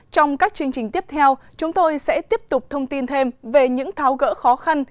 trong các chương trình tiếp theo chúng tôi sẽ tiếp tục thông tin thêm về những tháo gỡ khó khăn